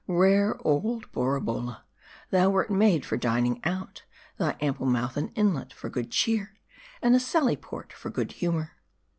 Rare old Borabolla ! thou wert made for dining out ; thy ample M A E D I. 32' mouth an inlet for good cheer, and a sally port for good humor.